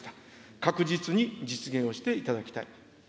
確実に実現をしていただきたい。